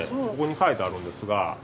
ここに書いてあるんですが。